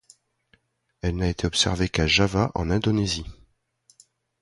Elle n'a été observée qu'à Java en Indonésie.